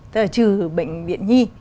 tức là trừ bệnh viện nhi